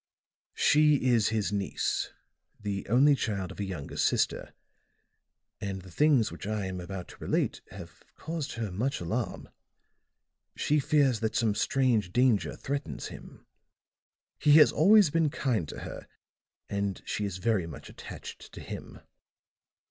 "She is his niece the only child of a younger sister; and the things which I am about to relate have caused her much alarm. She fears that some strange danger threatens him. He has always been kind to her, and she is very much attached to him.